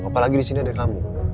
apalagi disini ada kamu